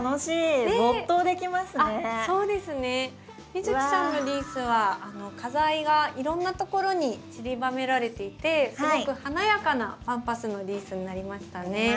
美月さんのリースは花材がいろんなところにちりばめられていてすごく華やかなパンパスのリースになりましたね。